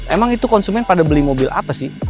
emang itu konsumen pada beli mobil apa sih